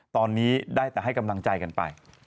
ตอนนี้ได้แต่ให้กำลังใจกันไป